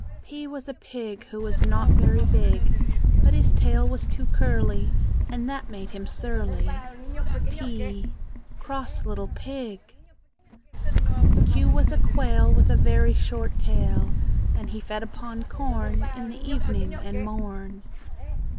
P was a pig, Who was not very big; But his tail was too curly, And that made him surly. p Cross little pig! Q was a quail With a very short tail; And he fed upon corn In the evening and morn.